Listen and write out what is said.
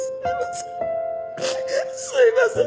すいません。